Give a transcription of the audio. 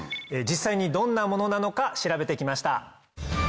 実際にどんなものなのか調べて来ました。